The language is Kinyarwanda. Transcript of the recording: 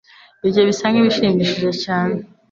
Ibyo bisa nkibishimishije cyane.